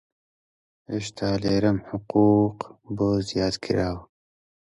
هەشتا لیرەم حقووق بۆ زیاد کراوە